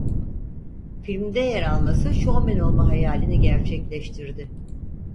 Filmde yer alması şovmen olma hayalini gerçekleştirdi.